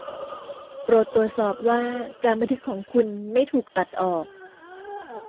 โปรดตรวจสอบว่าการบันทึกของคุณไม่ถูกตัดออก